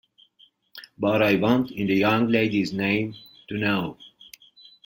But I want, in the young lady's name, to know.